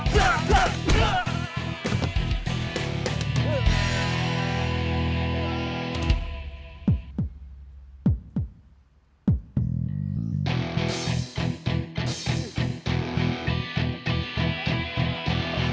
itu sangat banyak